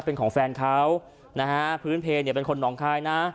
เป็นของแฟนเขานะฮะพื้นเพลเนี่ยเป็นคนหนองคายนะ